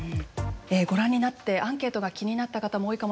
ご覧になってアンケートが気になった方も多いかもしれません。